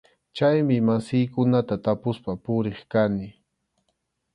Chaymi masiykunata tapuspa puriq kani.